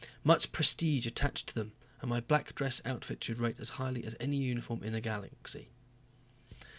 Much prestige attached to them, and my black dress outfit should rate as high as any uniform in the galaxy.